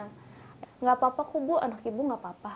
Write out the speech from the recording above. gak apa apa kok bu anak ibu gak apa apa